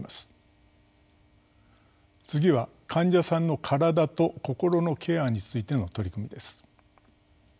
次は患者さんの身体と心のケアについての取り組みです。